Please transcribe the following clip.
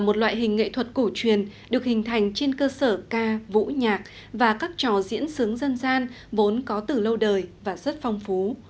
các bộ phim nghệ thuật cổ truyền được hình thành trên cơ sở ca vũ nhạc và các trò diễn xứng dân gian vốn có từ lâu đời và rất phong phú